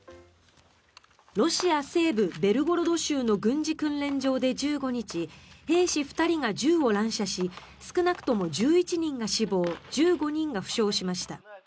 ロシア西部ベルゴロド州の軍事訓練場で１５日兵士２人が銃を乱射し少なくとも１１人が死亡１５人が負傷しました。